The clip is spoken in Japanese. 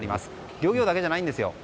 漁業だけじゃないんですよ